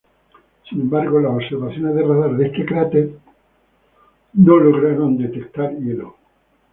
Sin embargo, las observaciones de radar de este cráter no lograron detectar hielo.